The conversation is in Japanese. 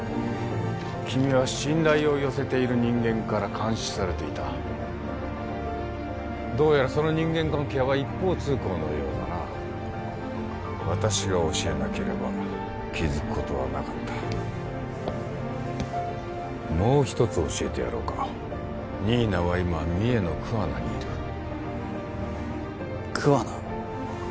君は信頼を寄せている人間から監視されていたどうやらその人間関係は一方通行のようだな私が教えなければ気づくことはなかったもう一つ教えてやろうか新名は今三重の桑名にいる桑名？